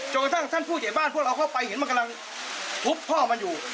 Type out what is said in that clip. กระทั่งท่านผู้ใหญ่บ้านพวกเราเข้าไปเห็นมันกำลังทุบพ่อมันอยู่